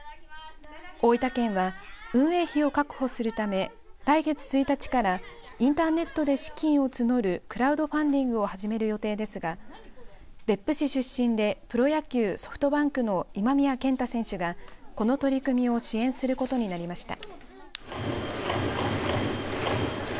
大分県は運営費を確保するため来月１日からインターネットで資金を募るクラウドファンディングを始める予定ですが別府市出身でプロ野球ソフトバンクの今宮健太選手が、この取り組みを支援することになりました。